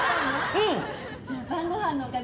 うん。